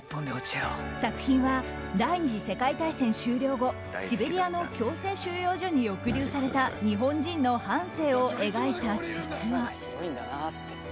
作品は、第２次世界大戦終了後シベリアの強制収容所に抑留された日本人の半生を描いた実話。